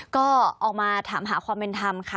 ก็ออกมาถามหาความเป็นธรรมค่ะ